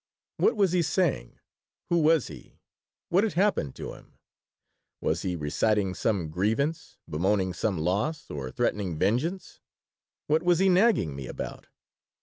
What was he saying? Who was he? What had happened to him? Was he reciting some grievance, bemoaning some loss, or threatening vengeance? What was he nagging me about?